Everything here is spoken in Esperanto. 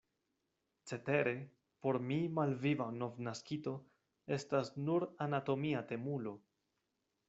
Cetere por mi malviva novnaskito estas nur anatomia temulo.